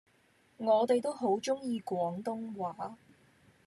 我哋都好鍾意廣東話